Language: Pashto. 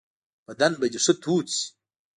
بدن به دي ښه تود شي .